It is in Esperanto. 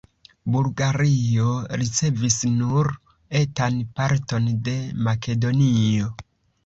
Bulgario ricevis nur etan parton de Makedonio.